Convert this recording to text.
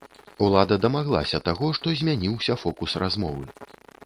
Улада дамаглася таго, што змяніўся фокус размовы.